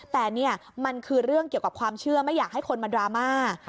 แต่นี่มันคือเรื่องเกี่ยวกับความเชื่อไม่อยากให้คนมาดราม่า